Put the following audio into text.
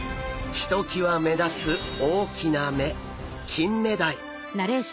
ひときわ目立つ大きな目キンメダイ。